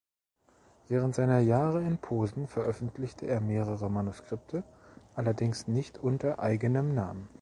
Während seiner Jahre in Posen veröffentlichte er mehrere Manuskripte, allerdings nicht unter eigenem Namen.